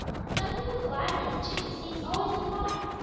Something of gladness, too, seems always implied.